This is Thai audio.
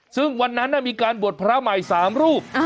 ซึ่งวันนั้นมีการบวชพระใหม่๓รูป